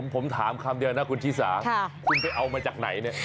ผมถามคำเดียวนะคุณชิสาคุณไปเอามาจากไหนเนี่ย